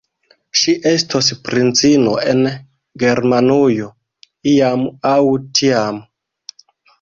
Ŝi estos princino en Germanujo, iam aŭ tiam.